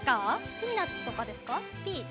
ピーナツとかですか？